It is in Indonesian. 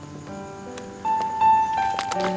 kayaknya ya gaat juga nego in juga maniacnya nya